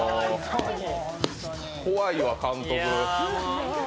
怖いわ、監督。